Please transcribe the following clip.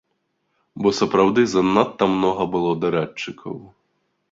Бо сапраўды занадта многа было дарадчыкаў!